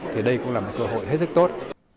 thì đây cũng là một cơ hội hết sức tốt